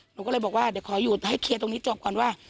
หนูก็เลยบอกว่าเดี๋ยวขอหยุดให้เคลียร์ตรงนี้จบก่อนว่า